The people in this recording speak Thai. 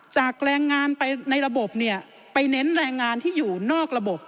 แรงงานไปในระบบเนี่ยไปเน้นแรงงานที่อยู่นอกระบบ